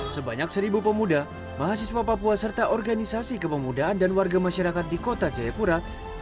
sebanyak seribu pemuda mahasiswa papua serta organisasi kepemudaan dan warga masyarakat di kota jayapura